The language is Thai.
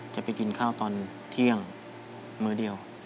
จะไปกินข้าวตอนเที่ยงมื้อเดียว